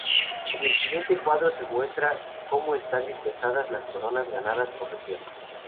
En el siguiente cuadro se muestra como están dispersadas las coronas ganadas por región.